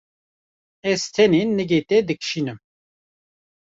Ez tenê nigê te dikişînim.